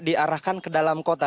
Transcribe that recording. diarahkan ke dalam kota